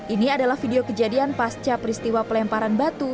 ini adalah video kejadian pasca peristiwa pelemparan batu